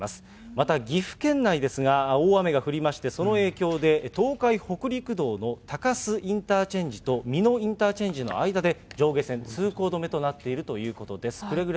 また岐阜県内ですが、大雨が降りまして、その影響で、東海北陸道の高鷲インターチェンジと美濃インターチェンジの間で、上下線通行止めとなっているということです。